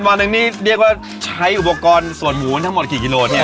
วันหนึ่งนี่เรียกว่าใช้อุปกรณ์ส่วนหมูทั้งหมดกี่กิโลเนี่ย